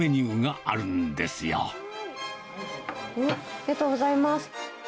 ありがとうございます。